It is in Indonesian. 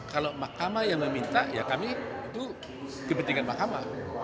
kalau mahkamah yang meminta ya kami itu kepentingan mahkamah